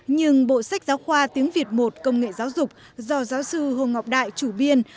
nhưng bộ sách giáo khoa tiếng việt một công nghệ giáo dục do giáo sư hồ ngọc đại chủ biên